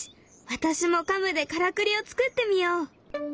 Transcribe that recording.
私もカムでからくりを作ってみよう。